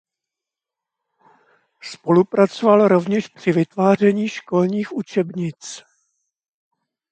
Spolupracoval rovněž při vytváření školních učebnic.